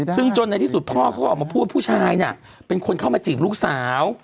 ซึ่งจนในที่สุดพ่อเขาก็ออกมาพูดว่าผู้ชายเนี่ยเป็นคนเข้ามาจีบลูกสาว